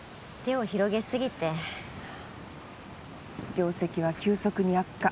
業績は急速に悪化。